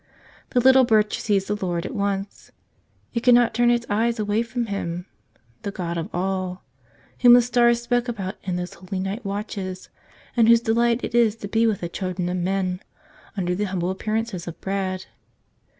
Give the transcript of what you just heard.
The little Birch sees the Lord at once; it cannot turn its eyes away from Him, the God of all, Whom the stars spoke about in those holy night watches and Whose delight it is to be with the children of men under the humble appearances of bread.